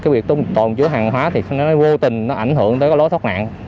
việc tồn chứa hàng hóa thì vô tình ảnh hưởng tới lối thoát nạn